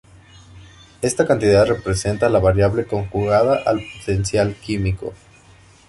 Esta cantidad representa la variable conjugada al potencial químico.